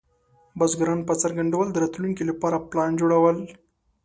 بزګران په څرګند ډول د راتلونکي لپاره پلان جوړول.